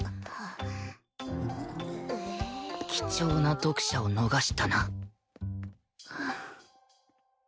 貴重な読者を逃したな